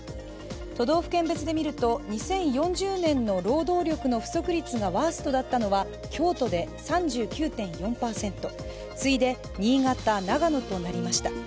都道府県別で見ると、２０４０年の労働力の不足率がワーストだったのは京都で３９．４％、次いで新潟、長野となりました。